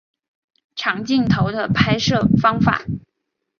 长镜头的拍摄方法。